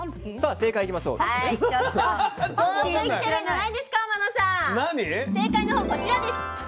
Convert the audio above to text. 正解の方こちらです。